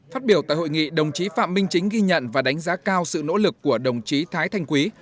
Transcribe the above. phát biểu tại hội nghị đồng chí phạm minh chính ghi nhận và đánh giá cao sự nỗ lực của đồng chí thái thanh quý